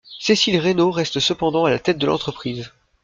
Cécile Reinaud reste cependant à la tête de l'entreprise.